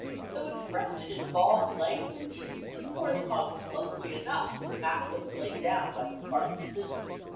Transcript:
Though expressed in involved language, this corresponds closely enough with the maxims laid down by the Spartan cynic.